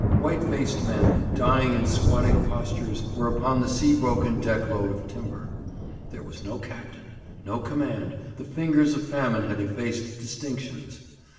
White faced men, dying in squatting postures, were upon the sea broken deck load of timber. There was no captain, no command, the fingers of famine had effaced distinctions.